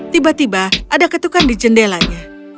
tiba tiba ada ketukan di jendelanya